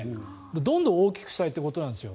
どんどん大きくしたいということなんですよ。